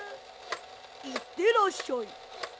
いってらっしゃい。